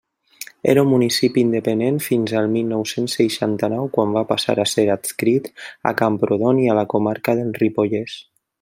Era un municipi independent fins al mil nou-cents seixanta-nou quan va passar a ser adscrit a Camprodon i a la comarca del Ripollès.